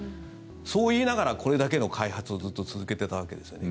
そう言いながらこれだけの開発をずっと続けてたわけですよね。